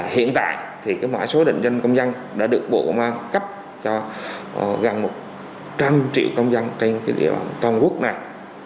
hiện tại thì mã số định danh công dân đã được bộ công an cấp cho gần một trăm linh triệu công dân trên địa bàn toàn quốc này